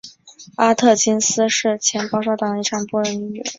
阿特金斯是前保守党政府国家遗产部和欧洲议会议员的女儿。